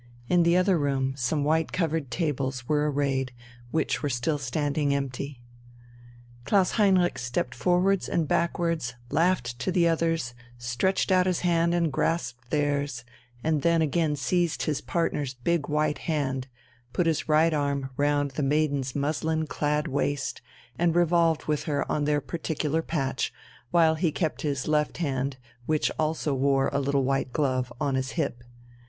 In the other room some white covered tables were arrayed, which were still standing empty. Klaus Heinrich stepped forwards and backwards, laughed to the others, stretched out his hand and grasped theirs, and then again seized his partner's big white hand, put his right arm round the maiden's muslin clad waist and revolved with her on their particular patch, while he kept his left hand, which also wore a little white glove, on his hip.